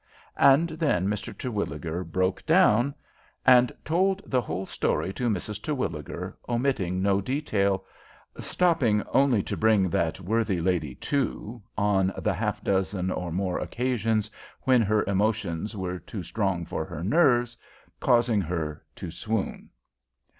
And then Mr. Terwilliger broke down, and told the whole story to Mrs. Terwilliger, omitting no detail, stopping only to bring that worthy lady to on the half dozen or more occasions when her emotions were too strong for her nerves, causing her to swoon.